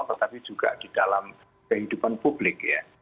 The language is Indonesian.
tetapi juga di dalam kehidupan publik ya